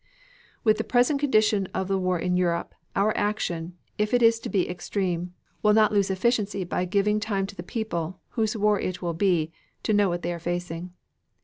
"With the present condition of the war in Europe, our action, if it is to be extreme, will not lose efficiency by giving time to the people, whose war it will be, to know what they are facing.